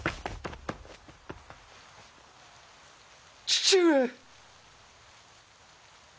父上。